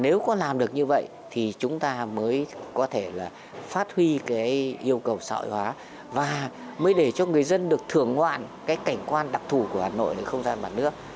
nếu có làm được như vậy thì chúng ta mới có thể là phát huy cái yêu cầu xã hội hóa và mới để cho người dân được thưởng ngoạn cái cảnh quan đặc thù của hà nội không gian mặt nước